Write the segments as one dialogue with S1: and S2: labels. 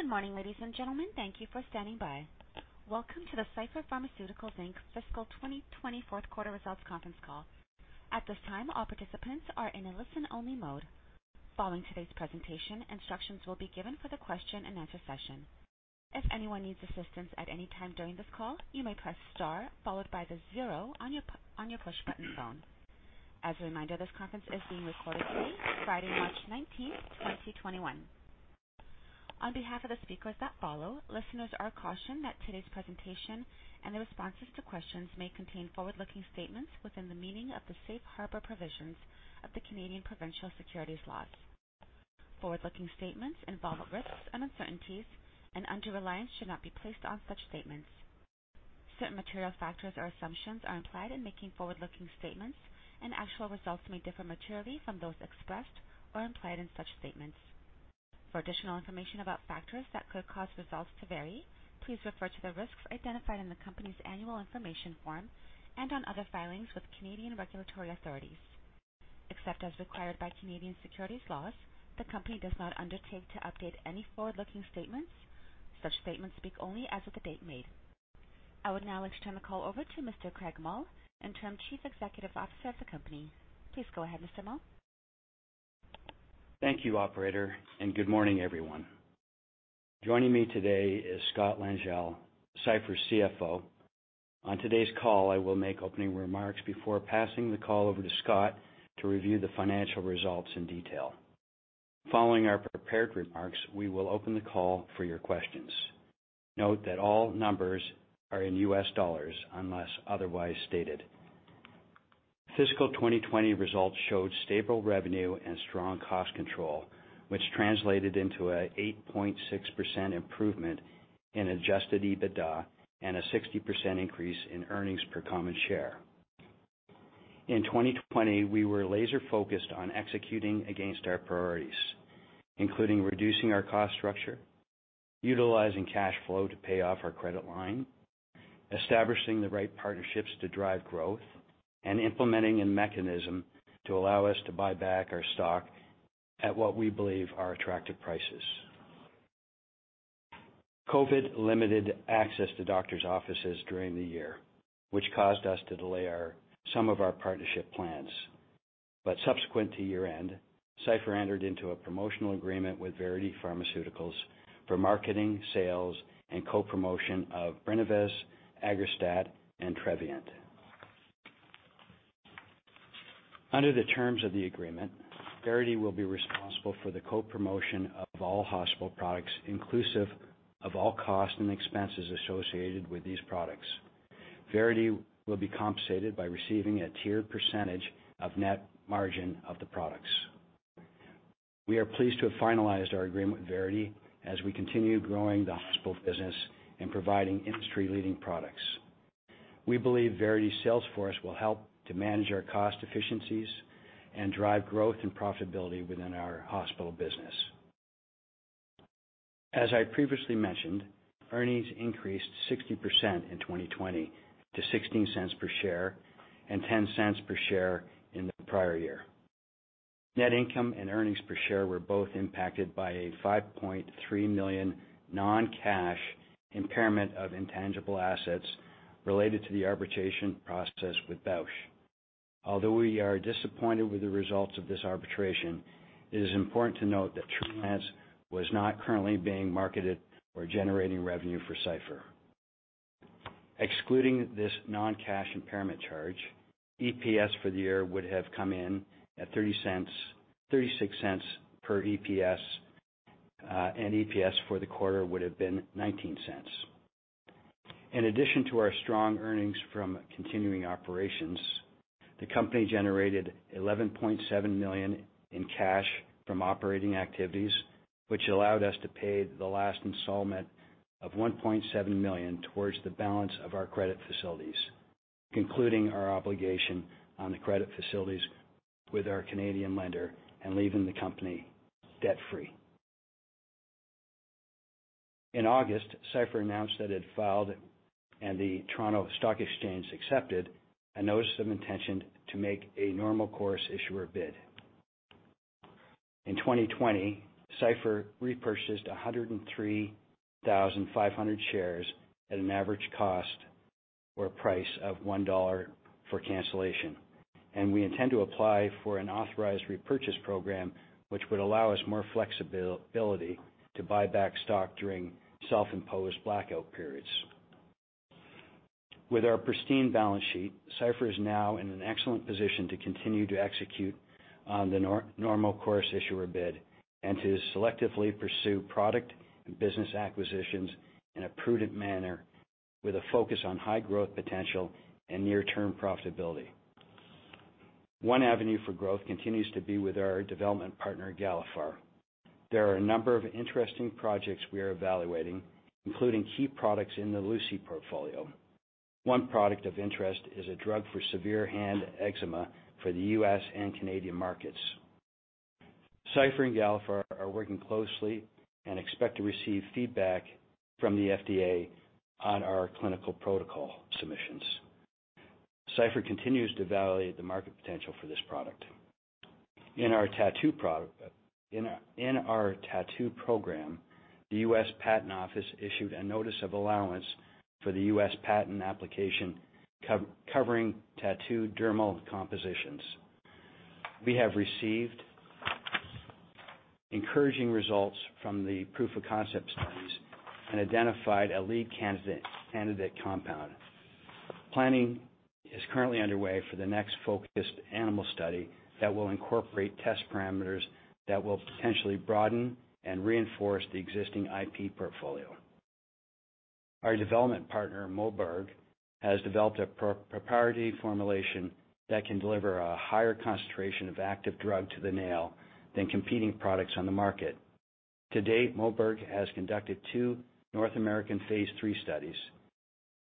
S1: Good morning, ladies and gentlemen. Thank you for standing by. Welcome to the Cipher Pharmaceuticals Inc. fiscal 2020 fourth quarter results conference call. At this time, all participants are in a listen-only mode. Following today's presentation, instructions will be given for the question-and-answer session. If anyone needs assistance at any time during this call, you may press star followed by the zero on your push button phone. As a reminder, this conference is being recorded today, Friday, March 19, 2021. On behalf of the speakers that follow, listeners are cautioned that today's presentation and the responses to questions may contain forward-looking statements within the meaning of the safe harbor provisions of the Canadian provincial securities laws. Forward-looking statements involve risks and uncertainties, and under-reliance should not be placed on such statements. Certain material factors or assumptions are implied in making forward-looking statements, and actual results may differ materially from those expressed or implied in such statements. For additional information about factors that could cause results to vary, please refer to the risks identified in the company's Annual Information Form and on other filings with Canadian regulatory authorities. Except as required by Canadian securities laws, the company does not undertake to update any forward-looking statements. Such statements speak only as of the date made. I would now like to turn the call over to Mr. Craig Mull, Interim Chief Executive Officer of the company. Please go ahead, Mr. Mull.
S2: Thank you, Operator, and good morning, everyone. Joining me today is Scott Langille, Cipher's CFO. On today's call, I will make opening remarks before passing the call over to Scott to review the financial results in detail. Following our prepared remarks, we will open the call for your questions. Note that all numbers are in U.S. dollars unless otherwise stated. Fiscal 2020 results showed stable revenue and strong cost control, which translated into an 8.6% improvement in Adjusted EBITDA and a 60% increase in earnings per common share. In 2020, we were laser-focused on executing against our priorities, including reducing our cost structure, utilizing cash flow to pay off our credit line, establishing the right partnerships to drive growth, and implementing a mechanism to allow us to buy back our stock at what we believe are attractive prices. COVID limited access to doctors' offices during the year, which caused us to delay some of our partnership plans. But subsequent to year-end, Cipher entered into a promotional agreement with Verity Pharmaceuticals for marketing, sales, and co-promotion of Brinavess, Aggrastat, and Trevyent. Under the terms of the agreement, Verity will be responsible for the co-promotion of all hospital products, inclusive of all costs and expenses associated with these products. Verity will be compensated by receiving a tiered percentage of net margin of the products. We are pleased to have finalized our agreement with Verity as we continue growing the hospital business and providing industry-leading products. We believe Verity's sales force will help to manage our cost efficiencies and drive growth and profitability within our hospital business. As I previously mentioned, earnings increased 60% in 2020 to 0.16 per share and 0.10 per share in the prior year. Net income and earnings per share were both impacted by a 5.3 million non-cash impairment of intangible assets related to the arbitration process with Bausch. Although we are disappointed with the results of this arbitration, it is important to note that Trulance was not currently being marketed or generating revenue for Cipher. Excluding this non-cash impairment charge, EPS for the year would have come in at CAD 0.36, and EPS for the quarter would have been 0.19. In addition to our strong earnings from continuing operations, the company generated 11.7 million in cash from operating activities, which allowed us to pay the last installment of 1.7 million towards the balance of our credit facilities, concluding our obligation on the credit facilities with our Canadian lender and leaving the company debt-free. In August, Cipher announced that it had filed and the Toronto Stock Exchange accepted a notice of intention to make a Normal Course Issuer Bid. In 2020, Cipher repurchased 103,500 shares at an average cost or price of 1 dollar for cancellation, and we intend to apply for an authorized repurchase program, which would allow us more flexibility to buy back stock during self-imposed blackout periods. With our pristine balance sheet, Cipher is now in an excellent position to continue to execute on the Normal Course Issuer Bid and to selectively pursue product and business acquisitions in a prudent manner with a focus on high growth potential and near-term profitability. One avenue for growth continues to be with our development partner, Galephar. There are a number of interesting projects we are evaluating, including key products in the Galephar portfolio. One product of interest is a drug for severe hand eczema for the U.S. and Canadian markets. Cipher and Galephar are working closely and expect to receive feedback from the FDA on our clinical protocol submissions. Cipher continues to validate the market potential for this product. In our tattoo program, the U.S. Patent Office issued a notice of allowance for the U.S. patent application covering tattoo dermal compositions. We have received encouraging results from the proof of concept studies and identified a lead candidate compound. Planning is currently underway for the next focused animal study that will incorporate test parameters that will potentially broaden and reinforce the existing IP portfolio. Our development partner, Moberg, has developed a proprietary formulation that can deliver a higher concentration of active drug to the nail than competing products on the market. To date, Moberg has conducted two North American phase 3 studies.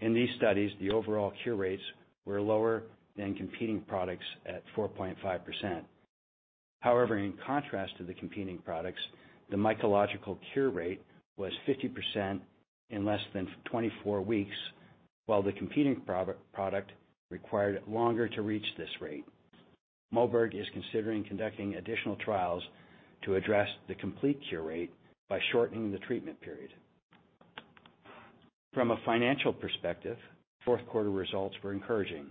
S2: In these studies, the overall cure rates were lower than competing products at 4.5%. However, in contrast to the competing products, the mycological cure rate was 50% in less than 24 weeks, while the competing product required longer to reach this rate. Moberg is considering conducting additional trials to address the complete cure rate by shortening the treatment period. From a financial perspective, fourth quarter results were encouraging.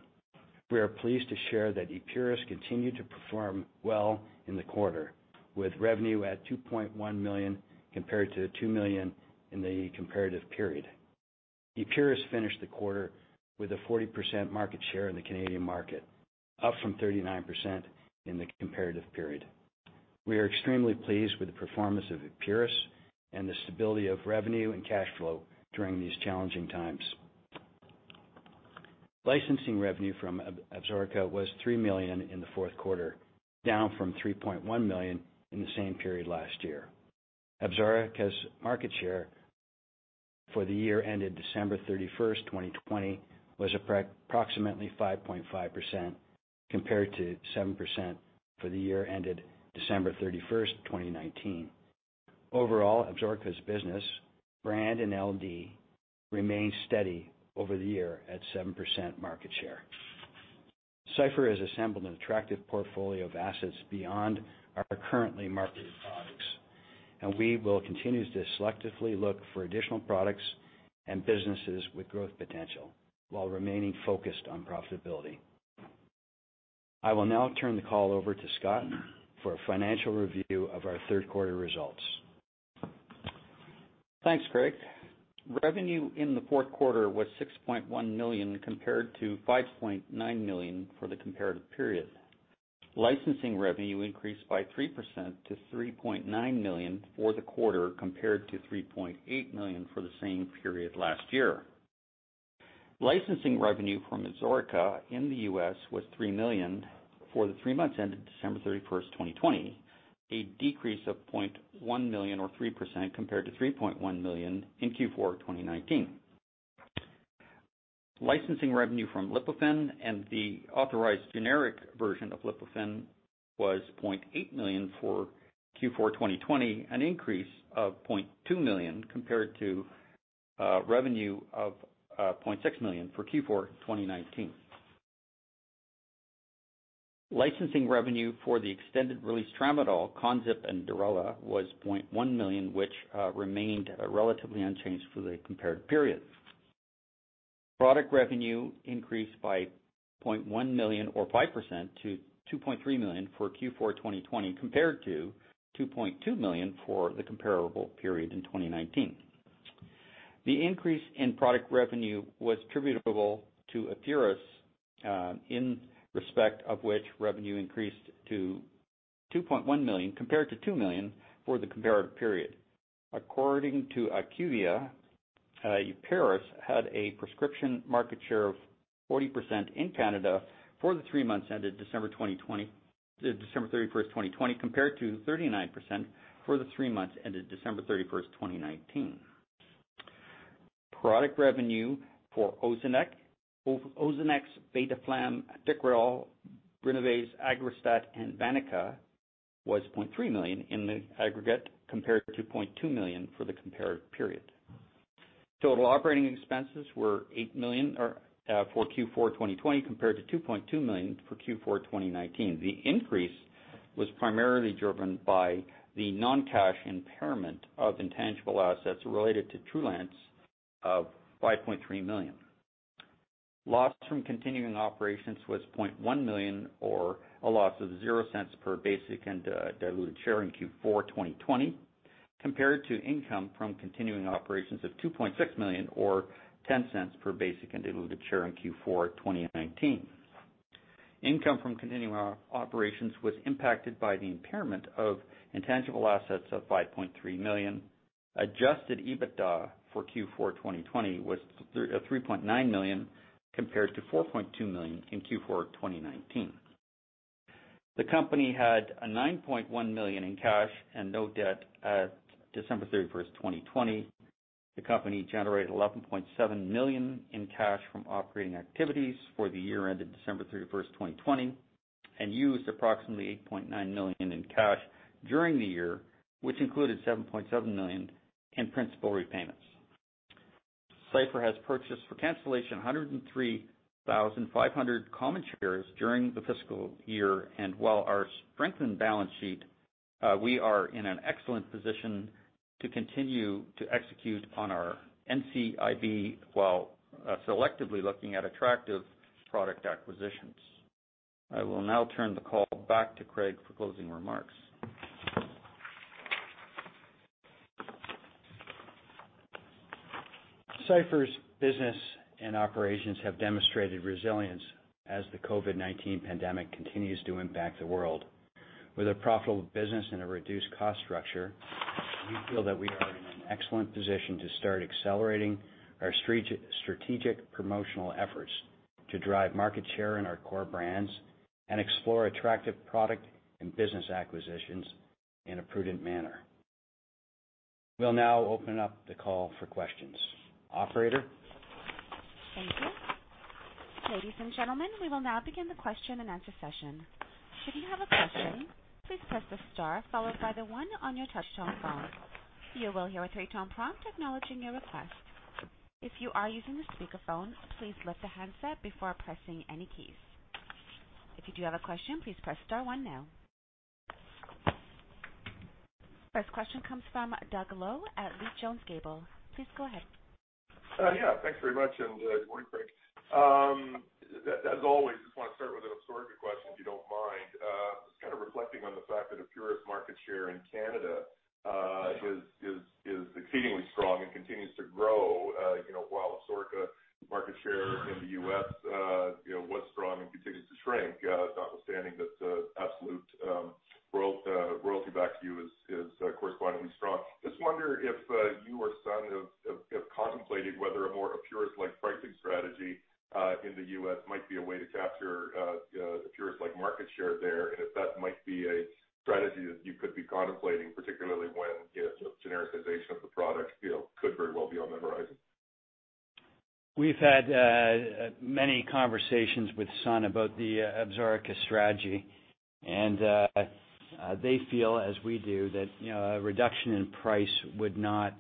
S2: We are pleased to share that Epuris continued to perform well in the quarter, with revenue at 2.1 million compared to 2 million in the comparative period. Epuris finished the quarter with a 40% market share in the Canadian market, up from 39% in the comparative period. We are extremely pleased with the performance of Epuris and the stability of revenue and cash flow during these challenging times. Licensing revenue from Absorica was $3 million in the fourth quarter, down from $3.1 million in the same period last year. Absorica's market share for the year ended December 31, 2020, was approximately 5.5% compared to 7% for the year ended December 31, 2019. Overall, Absorica's business, brand, and LD remained steady over the year at 7% market share. Cipher has assembled an attractive portfolio of assets beyond our currently marketed products, and we will continue to selectively look for additional products and businesses with growth potential while remaining focused on profitability. I will now turn the call over to Scott for a financial review of our third quarter results.
S3: Thanks, Craig. Revenue in the fourth quarter was 6.1 million compared to 5.9 million for the comparative period. Licensing revenue increased by 3% to 3.9 million for the quarter compared to 3.8 million for the same period last year. Licensing revenue from Absorica in the U.S. was 3 million for the three months ended December 31, 2020, a decrease of 0.1 million or 3% compared to 3.1 million in Q4 2019. Licensing revenue from Lipofen and the authorized generic version of Lipofen was 0.8 million for Q4 2020, an increase of 0.2 million compared to revenue of 0.6 million for Q4 2019. Licensing revenue for the extended-release tramadol, Conzip, and Durela was 0.1 million, which remained relatively unchanged for the compared period. Product revenue increased by 0.1 million or 5% to 2.3 million for Q4 2020 compared to 2.2 million for the comparable period in 2019. The increase in product revenue was attributable to Epuris in respect of which revenue increased to 2.1 million compared to 2 million for the comparative period. According to IQVIA, Epuris had a prescription market share of 40% in Canada for the three months ended December 31, 2020, compared to 39% for the three months ended December 31, 2019. Product revenue for Ozanex, Beteflam, Actikerall, Brinavess, Aggrastat, and Vaniqa was 0.3 million in the aggregate compared to 0.2 million for the comparative period. Total operating expenses were 8 million for Q4 2020 compared to 2.2 million for Q4 2019. The increase was primarily driven by the non-cash impairment of intangible assets related to Trulance of 5.3 million. Loss from continuing operations was 0.1 million or a loss of 0.00 per basic and diluted share in Q4 2020 compared to income from continuing operations of 2.6 million or 0.10 per basic and diluted share in Q4 2019. Income from continuing operations was impacted by the impairment of intangible assets of 5.3 million. Adjusted EBITDA for Q4 2020 was 3.9 million compared to 4.2 million in Q4 2019. The company had 9.1 million in cash and no debt at December 31, 2020. The company generated 11.7 million in cash from operating activities for the year ended December 31, 2020, and used approximately 8.9 million in cash during the year, which included 7.7 million in principal repayments. Cipher has purchased for cancellation 103,500 common shares during the fiscal year, and with our strengthened balance sheet, we are in an excellent position to continue to execute on our NCIB while selectively looking at attractive product acquisitions. I will now turn the call back to Craig for closing remarks. Cipher's business and operations have demonstrated resilience as the COVID-19 pandemic continues to impact the world. With a profitable business and a reduced cost structure, we feel that we are in an excellent position to start accelerating our strategic promotional efforts to drive market share in our core brands and explore attractive product and business acquisitions in a prudent manner. We'll now open up the call for questions. Operator.
S1: Thank you. Ladies and gentlemen, we will now begin the question and answer session. If you have a question, please press the star followed by the one on your touch-tone phone. You will hear a three-tone prompt acknowledging your request. If you are using a speakerphone, please lift the handset before pressing any keys. If you do have a question, please press star one now. First question comes from Doug Loe at Leede Jones Gable. Please go ahead.
S4: Yeah. Thanks very much and good morning, Craig.
S2: We've had many conversations with Sun about the Absorica strategy, and they feel, as we do, that a reduction in price would not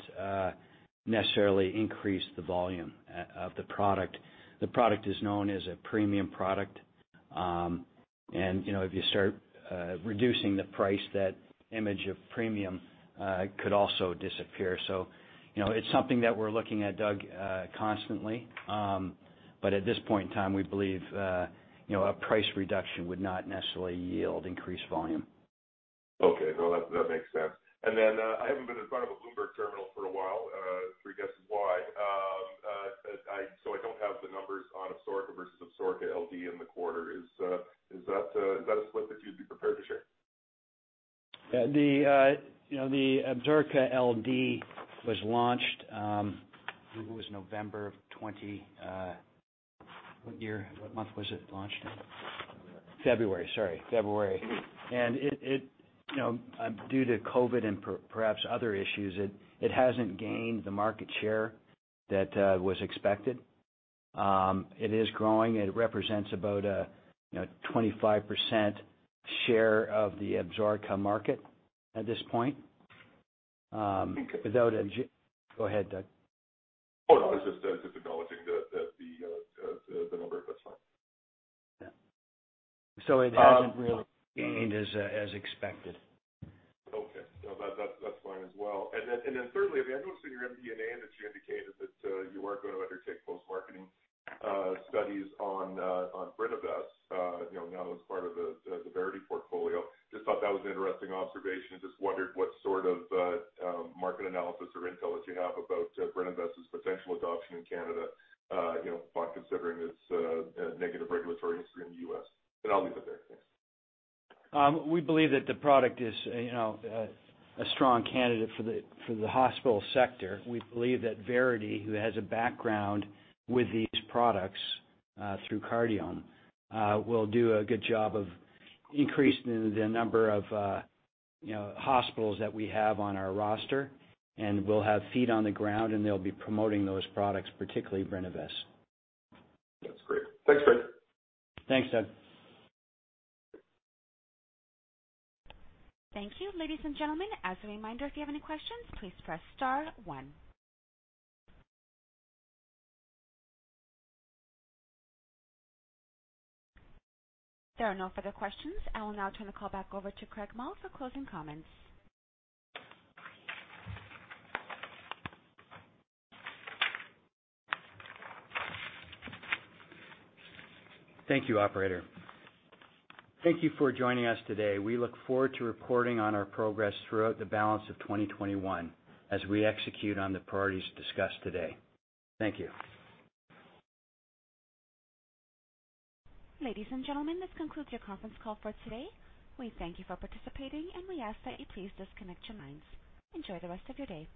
S2: necessarily increase the volume of the product. The product is known as a premium product, and if you start reducing the price, that image of premium could also disappear. So it's something that we're looking at, Doug, constantly, but at this point in time, we believe a price reduction would not necessarily yield increased volume.
S4: Okay. No, that makes sense. And then I haven't been in front of a Bloomberg terminal for a while, three guesses why, so I don't have the numbers on Absorica versus Absorica LD in the quarter. Is that a split that you'd be prepared to share?
S2: Yeah. The Absorica LD was launched. I think it was November of 2020. What year? What month was it launched in? February. Sorry. February. And due to COVID and perhaps other issues, it hasn't gained the market share that was expected. It is growing. It represents about a 25% share of the Absorica market at this point. Without a. Go ahead, Doug.
S4: Oh, no. Just acknowledging that the number, that's fine.
S2: Yeah. So it hasn't really gained as expected.
S4: Okay. No, that's fine as well. And then thirdly, I mean, I noticed in your MD&A that you indicated that you weren't going to undertake post-marketing studies on Brinavess, now as part of the Verity portfolio. Just thought that was an interesting observation. Just wondered what sort of market analysis or intel that you have about Brinavess' potential adoption in Canada upon considering its negative regulatory history in the U.S. And I'll leave it there. Thanks.
S2: We believe that the product is a strong candidate for the hospital sector. We believe that Verity, who has a background with these products through Cardiome, will do a good job of increasing the number of hospitals that we have on our roster, and we'll have feet on the ground, and they'll be promoting those products, particularly Brinavess.
S4: That's great. Thanks, Craig.
S2: Thanks, Doug.
S1: Thank you. Ladies and gentlemen, as a reminder, if you have any questions, please press star one. There are no further questions. I will now turn the call back over to Craig Mull for closing comments.
S2: Thank you, Operator. Thank you for joining us today. We look forward to reporting on our progress throughout the balance of 2021 as we execute on the priorities discussed today. Thank you.
S1: Ladies and gentlemen, this concludes your conference call for today. We thank you for participating, and we ask that you please disconnect your lines. Enjoy the rest of your day.